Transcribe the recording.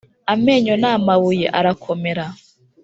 Amenyo ni amabuye arakomera